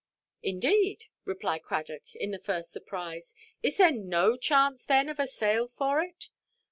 "Indeed!" replied Cradock, in the first surprise; "is there no chance, then, of a sale for it?"